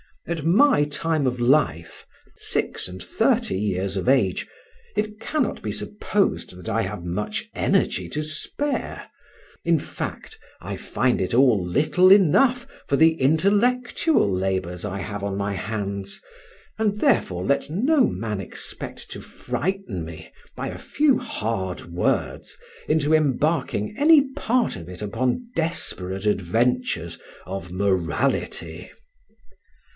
At my time of life (six and thirty years of age) it cannot be supposed that I have much energy to spare; in fact, I find it all little enough for the intellectual labours I have on my hands, and therefore let no man expect to frighten me by a few hard words into embarking any part of it upon desperate adventures of morality.